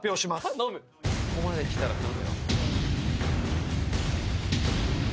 ここまできたら頼むよ